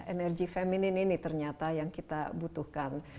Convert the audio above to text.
energi feminin ini ternyata yang kita butuhkan